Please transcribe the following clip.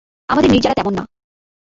আমাদের নির্জারা তেমন না।